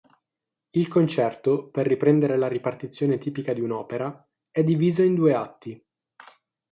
Il concerto, per riprendere la ripartizione tipica di un'opera, è diviso in due atti.